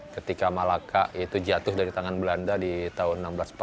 ketika malaka itu jatuh dari tangan belanda di tahun seribu enam ratus empat puluh